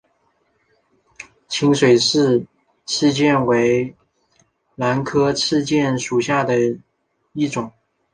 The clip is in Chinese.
清水氏赤箭为兰科赤箭属下的一个种。